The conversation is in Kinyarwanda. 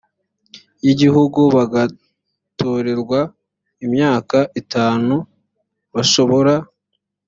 y igihugu bagatorerwa imyaka itanu bashobora